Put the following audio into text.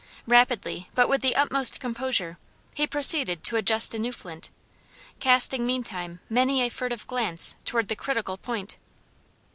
Rapidly, but with the utmost composure, he proceeded to adjust a new flint, casting meantime many a furtive glance towards the critical point.